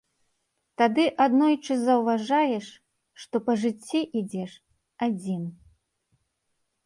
Тады аднойчы заўважаеш, што па жыцці ідзеш адзін.